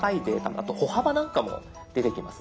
あと歩幅なんかも出てきます。